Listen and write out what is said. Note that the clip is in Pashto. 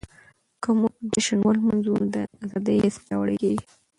که موږ جشن ولمانځو نو د ازادۍ حس پياوړی کيږي.